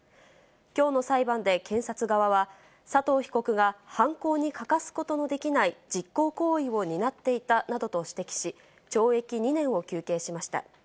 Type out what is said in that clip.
きょうの裁判で、検察側は、佐藤被告が犯行に欠かすことのできない実行行為を担っていたなどと指摘し、懲役２年を求刑しました。